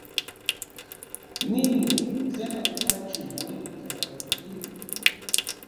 Nin tlen okachi ueyi tlanauatili.